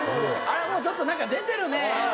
あらもうちょっと何か出てるね。